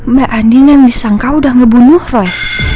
mbak andien yang disangka udah ngebunuh roy